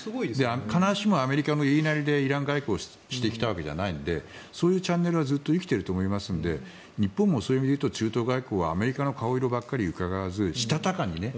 必ずしもアメリカの言いなりでイラン外交をしてきたわけではないのでそういうチャンネルはずっと生きていると思いますので日本もそういう意味で言うと中東外交はアメリカの顔色ばかりうかがわずしたたかにね